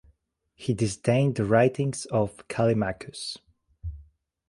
He disdained the writings of Callimachus.